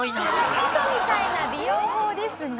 ウソみたいな美容法ですが。